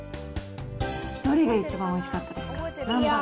どれが一番おいしかったですか？